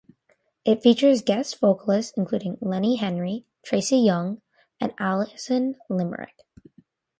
It features guest vocalists, including Lenny Henry, Tracie Young, and Alison Limerick.